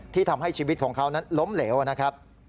ทำให้ชีวิตของเขานั้นล้มเหลวนะครับ